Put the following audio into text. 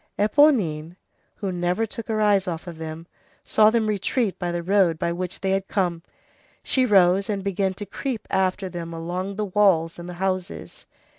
Éponine, who never took her eyes off of them, saw them retreat by the road by which they had come. She rose and began to creep after them along the walls and the houses.